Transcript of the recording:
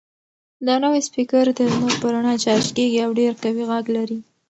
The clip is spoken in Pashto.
دا نوی سپیکر د لمر په رڼا چارج کیږي او ډېر قوي غږ لري.